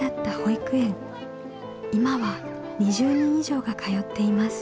今は２０人以上が通っています。